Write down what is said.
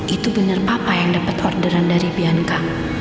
itu bener papa yang dapet orderan dari bianca